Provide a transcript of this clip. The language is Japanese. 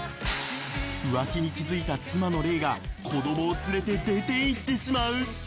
浮気に気づいた妻の麗が子どもをつれて出て行ってしまう。